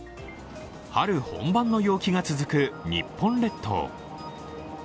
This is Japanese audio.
春本番の陽気が続く日本列島。